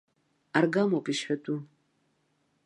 Аргамоуп ишҳәатәу.